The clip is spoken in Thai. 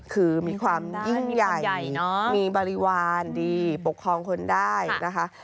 คือมีความยิ่งใหญ่มีบริวารดีปกครองคนได้นะคะ